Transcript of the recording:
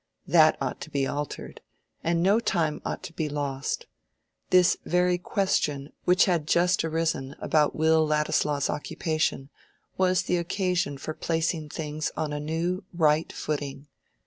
That ought to be altered; and no time ought to be lost. This very question which had just arisen about Will Ladislaw's occupation, was the occasion for placing things on a new, right footing.